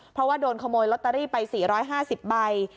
เพราะว่าโดนขโมยลอตเตอรี่ไป๔๕๐ใบ